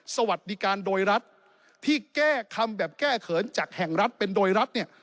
สวัสดีการโดยรัฐที่แก้คำแบบแก้เขินจากแห่งรัฐเป็นโดยรัฐเนี่ย